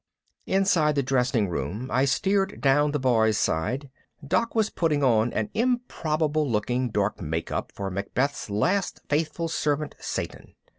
Inside the dressing room I steered down the boys' side. Doc was putting on an improbable looking dark makeup for Macbeth's last faithful servant Seyton.